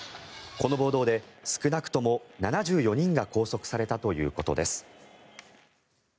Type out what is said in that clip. この暴動で少なくとも７４人が拘束されたということです。